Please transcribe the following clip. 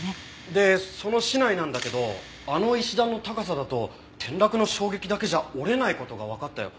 でその竹刀なんだけどあの石段の高さだと転落の衝撃だけじゃ折れない事がわかったよ。